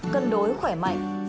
cân đối khỏe mạnh